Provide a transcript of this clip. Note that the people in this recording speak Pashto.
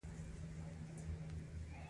دوی باید سمې پیسې له ناسمو پیسو جلا کړي